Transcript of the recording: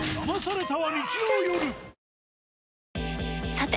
さて！